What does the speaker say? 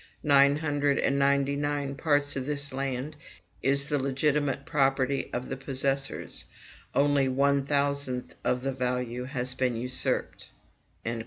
Nine hundred and ninety nine parts of this land is the legitimate property of the possessors; only one thousandth of the value has been usurped."